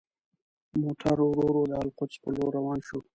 موټر ورو ورو د القدس په لور روان شو.